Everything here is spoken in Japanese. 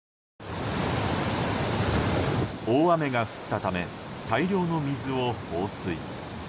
大雨が降ったため大量の水を放水。